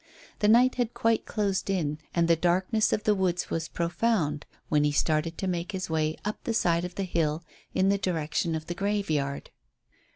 The night had quite closed in and the darkness of the woods was profound when he started to make his way up the side of the hill in the direction of the graveyard.